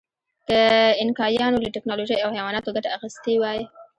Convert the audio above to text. که اینکایانو له ټکنالوژۍ او حیواناتو ګټه اخیستې وای.